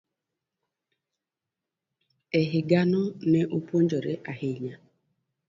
E higano, ne opuonjore ahinya.